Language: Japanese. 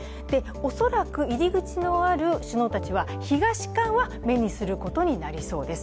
恐らく入り口のある、首脳たちは東館は目にすることになりそうです。